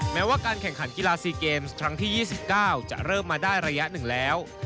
แม้ว่าการแข่งขันกีฬา๔เกมส์ครั้งที่๒๙จะเริ่มมาได้ระยะหนึ่งแล้ว